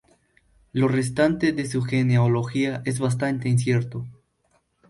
Lo restante de su genealogía es bastante incierto.